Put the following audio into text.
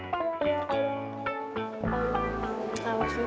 tunggu tunggu tunggu